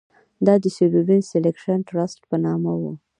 دا د سیریلیون سیلکشن ټرست په نامه وو.